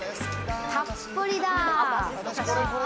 たっぷりだ！